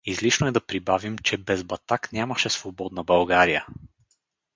Излишно е да прибавим, че без Батак нямаше свободна България!